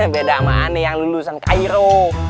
beda sama aneh yang lulusan cairo